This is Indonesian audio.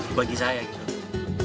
nah rasanya ini lumayan gurih